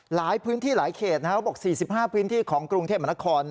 หลายพื้นที่หลายเขตเขาบอก๔๕พื้นที่ของกรุงเทพมนคร